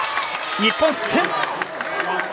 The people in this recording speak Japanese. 日本、失点。